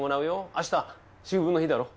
明日秋分の日だろ？